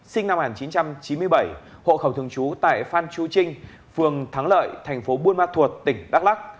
sinh năm một nghìn chín trăm chín mươi bảy hội khẩu thường trú tại phan chu trinh phường thắng lợi tp bun ma thuột tỉnh đắk lắc